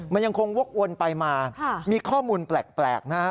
มันยังคงวกวนไปมามีข้อมูลแปลกนะฮะ